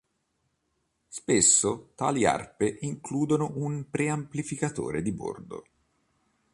Spesso tali arpe includono un preamplificatore di bordo.